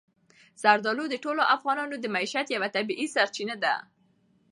زردالو د ټولو افغانانو د معیشت یوه طبیعي سرچینه ده.